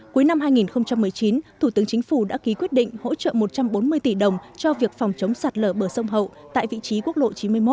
cuối năm hai nghìn một mươi chín thủ tướng chính phủ đã ký quyết định hỗ trợ một trăm bốn mươi tỷ đồng cho việc phòng chống sạt lở bờ sông hậu tại vị trí quốc lộ chín mươi một